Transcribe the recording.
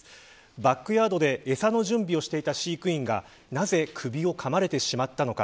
バックヤードで餌の準備をしていた飼育員がなぜ首をかまれてしまったのか。